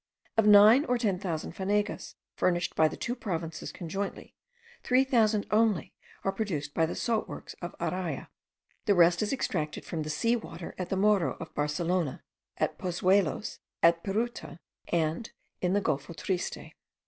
Of nine or ten thousand fanegas furnished by the two provinces conjointly, three thousand only are produced by the salt works of Araya; the rest is extracted from the sea water at the Morro of Barcelona, at Pozuelos, at Piritu, and in the Golfo Triste.